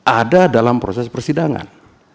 ada dalam proses persidangan